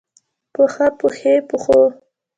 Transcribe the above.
پښه ، پښې ، پښو